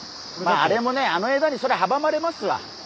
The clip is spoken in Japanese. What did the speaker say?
まああれもねあの枝にそりゃはばまれますわ。